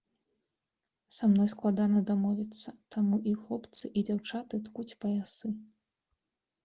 Са мной складана дамовіцца, таму і хлопцы і дзяўчаты ткуць паясы.